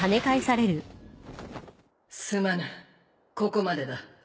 すまぬここまでだ。